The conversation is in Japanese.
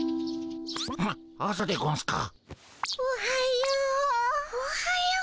おはよう。